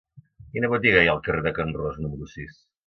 Quina botiga hi ha al carrer de Can Ros número sis?